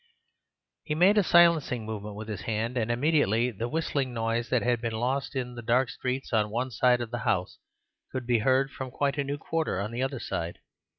He made a silencing movement with his hand, and immediately the whistling noise that had been lost in the dark streets on one side of the house could be heard from quite a new quarter on the other side.